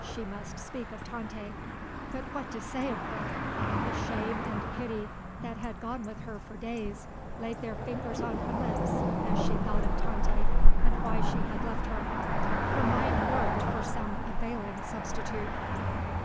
She must speak of Tante. But what to say of her? The shame and pity that had gone with her for days laid their fingers on her lips as she thought of Tante and of why she had left her. Her mind groped for some availing substitute.